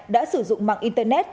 đã sử dụng mạng internet